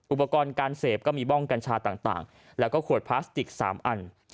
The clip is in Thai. อุปกรณ์การเสพก็มีบ้องกัญชาต่างแล้วก็ขวดพลาสติก๓อัน